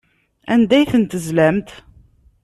Anda ay tent-tezlamt?